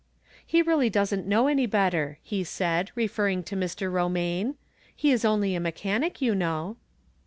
" He reaUy doesn't know any better," he said, referring to Mr. Eomaine. ". He is only a me chanic, you know."